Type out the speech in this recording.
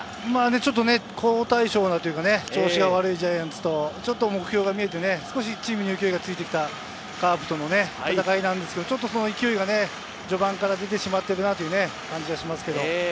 ちょっと好対照というか、調子が悪いジャイアンツと目標が見えてチームに勢いがついてきたカープとの戦いなんですけれど、その勢いが序盤から出てきてしまってるなという感じがします。